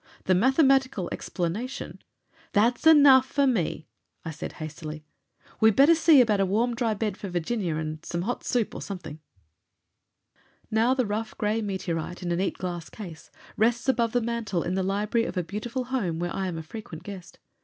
The mathematical explanation " "That's enough for me!" I said hastily. "We better see about a warm, dry bed for Virginia, and some hot soup or something." Now the rough gray meteorite, in a neat glass case, rests above the mantel in the library of a beautiful home where I am a frequent guest.